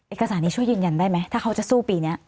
เอกสารนี้ช่วยยืนยันได้ไหมถ้าเขาจะสู้ปีนี้